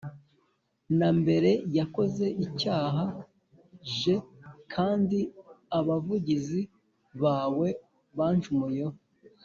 na mbere yakoze icyaha j kandi abavugizi bawe bancumuyeho